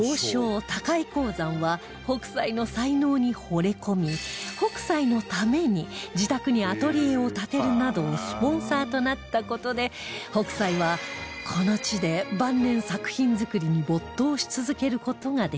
山は北斎の才能にほれ込み北斎のために自宅にアトリエを建てるなどスポンサーとなった事で北斎はこの地で晩年作品作りに没頭し続ける事ができました